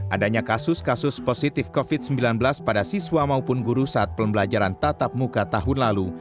adanya kasus kasus positif covid sembilan belas pada siswa maupun guru saat pembelajaran tatap muka tahun lalu